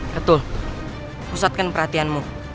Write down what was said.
ketul pusatkan perhatianmu